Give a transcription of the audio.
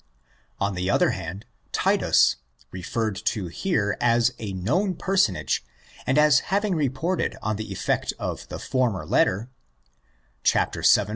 On the other hand, Titus, referred to here as a known personage and as having reported on the effect of the former letter (vii.